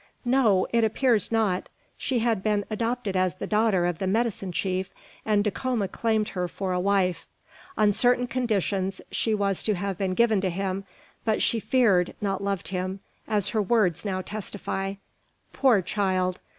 "No. It appears not. She had been adopted as the daughter of the medicine chief, and Dacoma claimed her for a wife. On certain conditions she was to have been given to him; but she feared, not loved him, as her words now testify. Poor child!